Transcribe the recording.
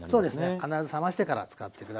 必ず冷ましてから使って下さい。